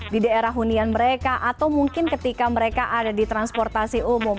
di daerah hunian mereka atau mungkin ketika mereka ada di transportasi umum